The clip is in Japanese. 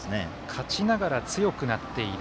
勝ちながら強くなっている。